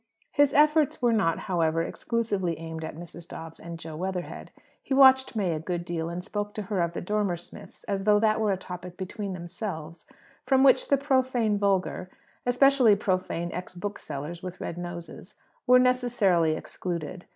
His efforts were not, however, exclusively aimed at Mrs. Dobbs and Jo Weatherhead. He watched May a good deal, and spoke to her of the Dormer Smiths as though that were a topic between themselves, from which the profane vulgar (especially profane ex booksellers, with red noses) were necessarily excluded.